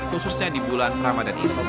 khususnya di bulan ramadan ini